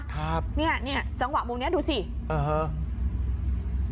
ใช่นี่เนี่ยจังหวะมุมเนี้ยดูสิเออฮะ